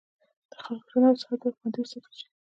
د خلکو ژوند او صحت باید خوندي وساتل شي.